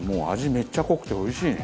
めっちゃ濃くておいしいね。